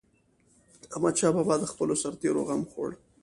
احمدشاه بابا به د خپلو سرتيرو غم خوړ.